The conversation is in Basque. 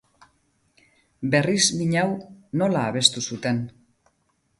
Berriz min hau nola abestu zuten.